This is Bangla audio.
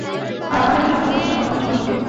আর আমাদের তো সংখ্যাগরিষ্ঠের কথা শোনা উচিত।